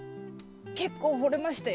結構掘れましたよ。